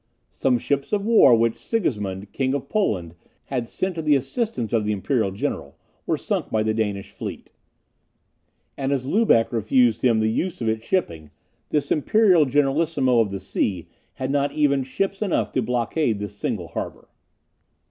Some ships of war which Sigismund, King of Poland, had sent to the assistance of the imperial general, were sunk by the Danish fleet; and as Lubeck refused him the use of its shipping, this imperial generalissimo of the sea had not even ships enough to blockade this single harbour.